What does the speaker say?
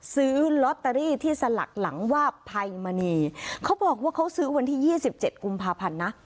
ซื้อลอตเตอรี่ที่สลักหลังวาบภัยมณีเขาบอกว่าเขาซื้อวันที่๒๗กุมภาพันธ์นะ